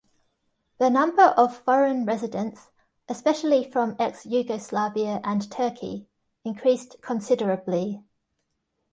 The number of foreign residents, especially from ex-Yugoslavia and Turkey increased considerably.